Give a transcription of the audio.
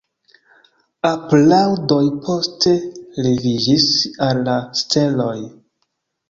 Aplaŭdoj poste leviĝis al la steloj.